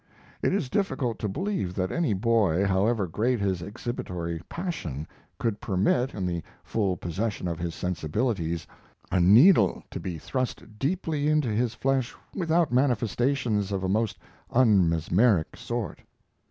It is difficult to believe that any boy, however great his exhibitory passion, could permit, in the full possession of his sensibilities, a needle to be thrust deeply into his flesh without manifestations of a most unmesmeric sort.